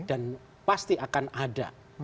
dan pasti akan ada